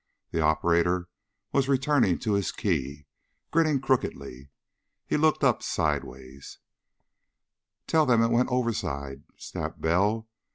The operator was returning to his key, grinning crookedly. He looked up sidewise. "Tell them it went overside," snapped Bell.